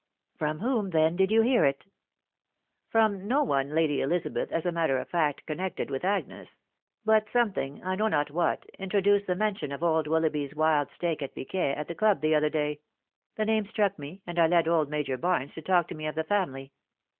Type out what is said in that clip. (C From whom, then, did you hear it ?"" From no one, Lady Elizabeth, as a matter of fact con nected with Agnes. But something, I know not what, intro duced the mention of old Willoughby's wild stake at piquet at the club the other day .... The name struck me, and I led old Major Barnes to talk to me of the family.